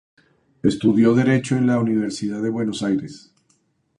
Estudió derecho en la Universidad de Buenos Aires.